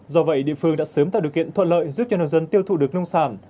do vậy địa phương đã sớm tạo điều kiện thuận lợi giúp cho nông dân tiêu thụ được nông sản